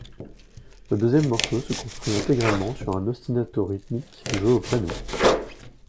Le deuxième morceau se construit intégralement sur un ostinato rythmique joué au piano.